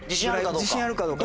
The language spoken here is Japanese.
自信あるかどうか。